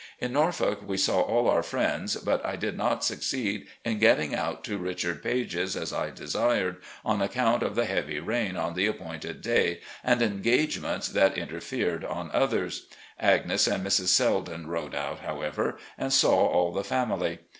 In Norfolk we saw all our friends, but I did not succeed in getting out to Richard Page's as I desired, on accotmt of the heavy rain on the appointed day and engagements that interfered on others. Agnes and Mrs. Selden rode out, however, and saw all the family.